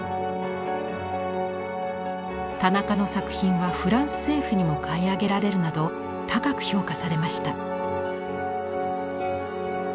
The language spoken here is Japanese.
田中の作品はフランス政府にも買い上げられるなど高く評価されました。